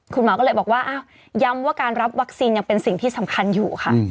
คุณหมอก็เลยบอกว่าอ้าวย้ำว่าการรับวัคซีนยังเป็นสิ่งที่สำคัญอยู่ค่ะ